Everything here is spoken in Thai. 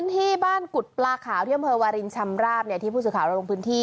ที่บ้านกุฎปลาขาวที่อำเภอวารินชำราบที่ผู้สื่อข่าวเราลงพื้นที่